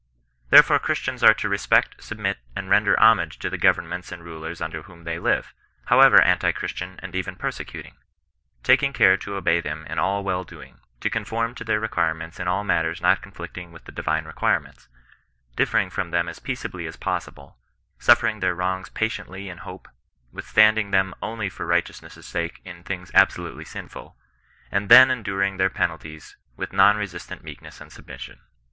Therefore Christians are to re spect, submit, and render homage to the govemments and rulers under whom they live, however anti Christian and even persecuting ; taking care to obey them in all well doing, to conform to their requirements in all mat ters not conflicting with the divine requirements, differ ing from them as peaceably as possible, suffering their wrongs patiently in hope, withstanding them only for righteousness^ sake in things absolutely sinful, and then enduring their penalties with non resistant meekness and submission.